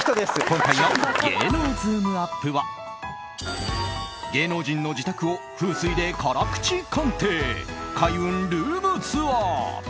今回の芸能ズームＵＰ！は芸能人の自宅を風水で辛口鑑定開運ルームツアー。